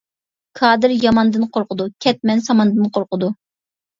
كادىر ياماندىن قورقىدۇ، كەتمەن ساماندىن قورقىدۇ.